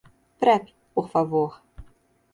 Prep, por favor.